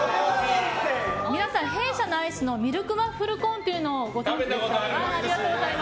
皆さん、弊社のアイスのミルクワッフルコーンをご存じでしょうか？